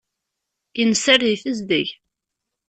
Innser di tezdeg.